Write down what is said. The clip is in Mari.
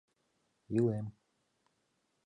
Илем.